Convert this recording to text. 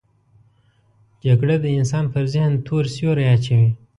جګړه د انسان پر ذهن تور سیوری اچوي